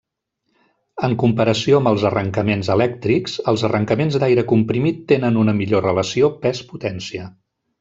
En comparació amb els arrencaments elèctrics, els arrencaments d'aire comprimit tenen una millor relació pes-potència.